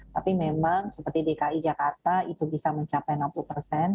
tapi memang seperti dki jakarta itu bisa mencapai enam puluh persen